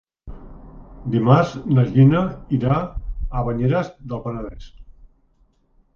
Dimarts na Gina irà a Banyeres del Penedès.